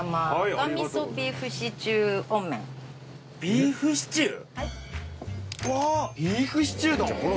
ビーフシチューだ！